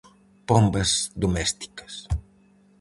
Pombas domésticas.